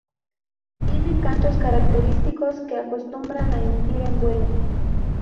Tienen cantos característicos que acostumbran a emitir en vuelo.